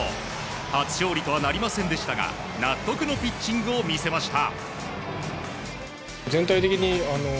初勝利とはなりませんでしたが納得のピッチングを見せました。